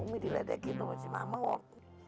umi diletekin sama si mama wong